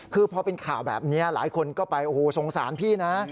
คือพอเป็นข่าวแบบนี้หลายคนก็ไปโอ้โหสงสารพี่นะ